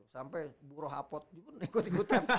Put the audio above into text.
sampai burohapot ikut ikutan